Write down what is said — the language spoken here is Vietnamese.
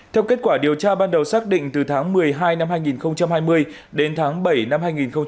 theo kết quả điều tra ban đầu xác định từ tháng một mươi hai năm hai nghìn hai mươi đến tháng bảy năm hai nghìn hai mươi